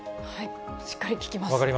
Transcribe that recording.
しっかり聞きます。